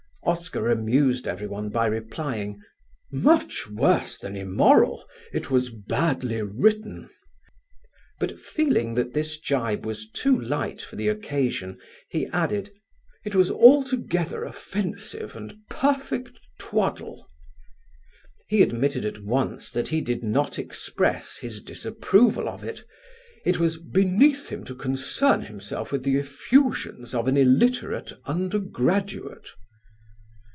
Oscar amused everyone by replying: "Much worse than immoral, it was badly written," but feeling that this gibe was too light for the occasion he added: "It was altogether offensive and perfect twaddle." He admitted at once that he did not express his disapproval of it; it was "beneath him to concern himself with the effusions of an illiterate undergraduate."